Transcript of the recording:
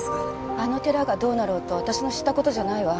あの寺がどうなろうと私の知った事じゃないわ。